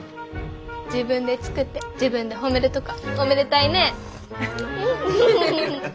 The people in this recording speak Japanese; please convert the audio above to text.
自分で作って自分で褒めるとかおめでたいねえ。